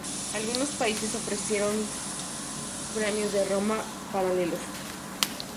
Algunos países ofrecen Premios de Roma paralelos.